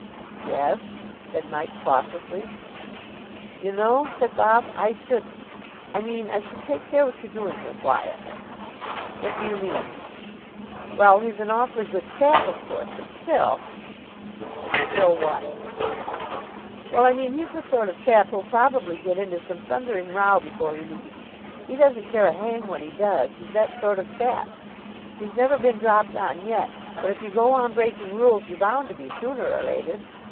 "Yes," said Mike cautiously. "You know," said Bob, "I shouldn't I mean, I should take care what you're doing with Wyatt." "What do you mean?" "Well, he's an awfully good chap, of course, but still " "Still what?" "Well, I mean, he's the sort of chap who'll probably get into some thundering row before he leaves. He doesn't care a hang what he does. He's that sort of chap. He's never been dropped on yet, but if you go on breaking rules you're bound to be sooner or later.